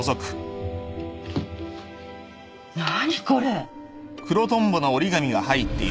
何これ！？